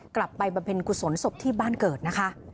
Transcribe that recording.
บำเพ็ญกุศลศพที่บ้านเกิดนะคะ